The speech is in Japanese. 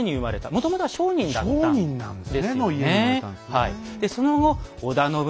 もともとは商人だったんですよね。